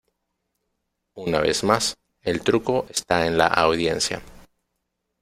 Una vez más, el truco está en la audiencia.